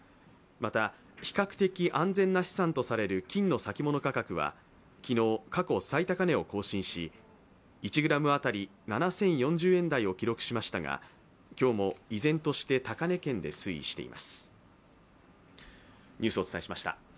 また、比較的安全な資産とされる金の先物価格は昨日、過去最高値を更新し、１ｇ当たり７０４０円台を記録しましたが、今日も依然として高値圏で推移しています。